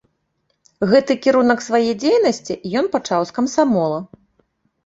Гэты кірунак свае дзейнасці ён пачаў з камсамола.